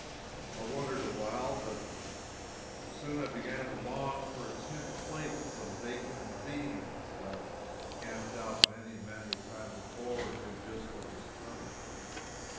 I wondered awhile, but soon I began to long for a tin plate, and some bacon and beans. I had camped out many and many a time before, and knew just what was coming.